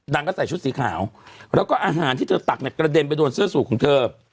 ก็ใส่ชุดสีขาวแล้วก็อาหารที่เธอตักเนี่ยกระเด็นไปโดนเสื้อสูตรของเธอ